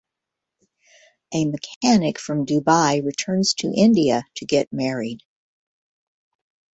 A mechanic from Dubai returns to India to get married.